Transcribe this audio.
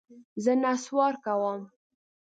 زه نسوار کوم.